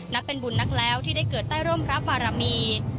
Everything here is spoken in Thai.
นับเป็นบุญนักแล้วที่ได้เกิดใต้ร่มพระบารมี